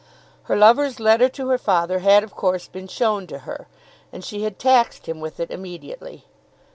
Her lover's letter to her father had of course been shown to her, and she had taxed him with it immediately.